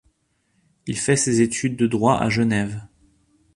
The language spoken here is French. Il fait ses études de droit à Genève.